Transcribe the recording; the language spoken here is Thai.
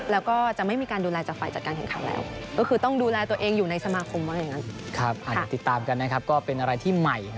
แล๋วก็จะไม่มีการดูแลจากฝ่ายจัดการแข่งขันแล้วนั่นคือต้องดูแลตัวเองอยู่ในสมาคม